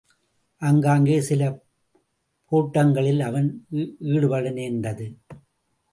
ஆங்காங்கே சில போட்டங்களிலும் அவன் ஈடுபட நேர்ந்தது.